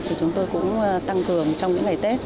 thì chúng tôi cũng tăng cường trong những ngày tết